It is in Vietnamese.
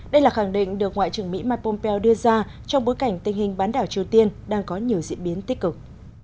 đây là khẳng định được ngoại trưởng mỹ mike pompeo đưa ra trong bối cảnh tình hình bán đảo triều tiên đang có nhiều diễn biến tích cực